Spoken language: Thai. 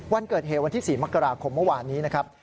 วันเกิดเหตุวันที่๔มกราคมเมื่อวานนี้นะครับ